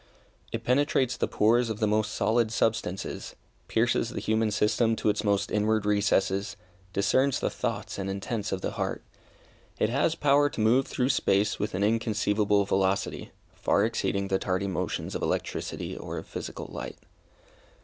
It penetrates the pores of the most solid substances, pierces the human system to its most inward recesses, discerns the thoughts and intents of the heart. It has power to move through space with an inconceivable velocity, far exceeding the tardy motions of electricity, or of physical light.